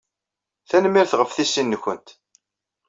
Tanemmirt ɣef tisin-nwent.